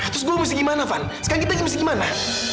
terus gue mesti gimana van sekarang kita mesti gimana